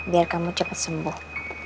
biar kamu cepet sembuh